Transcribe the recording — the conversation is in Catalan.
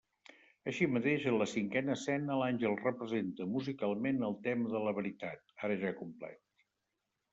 Així mateix, en la cinquena escena l'àngel representa musicalment el tema de la veritat, ara ja complet.